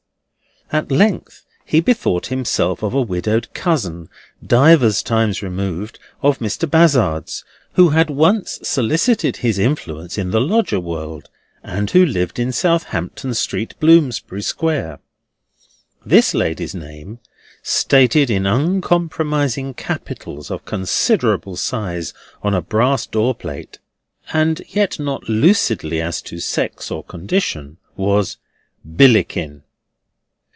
At length he bethought himself of a widowed cousin, divers times removed, of Mr. Bazzard's, who had once solicited his influence in the lodger world, and who lived in Southampton Street, Bloomsbury Square. This lady's name, stated in uncompromising capitals of considerable size on a brass door plate, and yet not lucidly as to sex or condition, was BILLICKIN.